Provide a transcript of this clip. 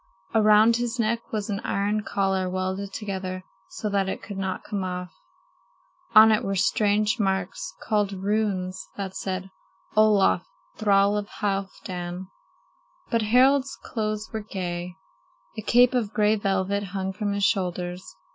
Around his neck was an iron collar welded together so that it could not come off. On it were strange marks, called runes, that said: "Olaf, thrall of Halfdan." But Harald's clothes were gay. A cape of gray velvet hung from his shoulders.